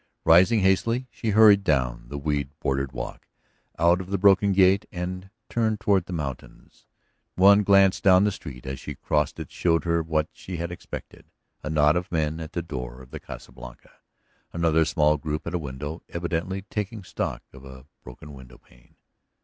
Rising hastily, she hurried down the weed bordered walk, out at the broken gate, and turned toward the mountains. One glance down the street as she crossed it showed her what she had expected: a knot of men at the door of the Casa Blanca, another small group at a window, evidently taking stock of a broken window pane.